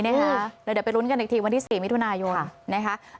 เดี๋ยวไปลุ้นกันอีกทีวันที่๔มิถุนายนนะคะ